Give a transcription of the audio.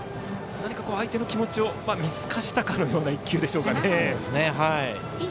相手の気持ちを見透かしたかのような一球でしょうか。